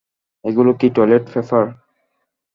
এগুলো কি toilet paper?